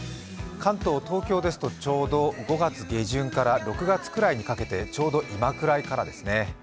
関東、東京ですとちょうど５月下旬から６月ぐらいにかけて、ちょうど今ぐらいですね。